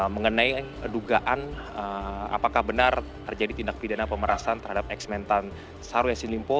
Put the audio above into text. mengenai dugaan apakah benar terjadi tindak pidana pemerasan terhadap eksmentan syahrul yassin limpo